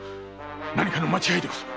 何かの間違いでござる。